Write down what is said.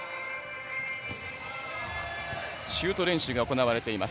シュート練習が行われています。